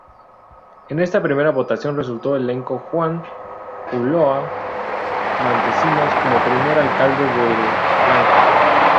En esta primera votación resultó electo Juan Ulloa Montecinos como primer alcalde de Lanco.